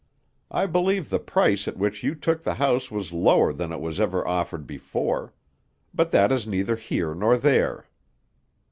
I believe the price at which you took the house was lower than it was ever offered before, but that is neither here nor there."